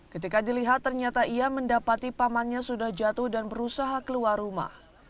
ketika dilihat ternyata ia mendapati pamannya sudah jatuh dan berusaha keluar rumah